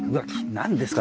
何ですか？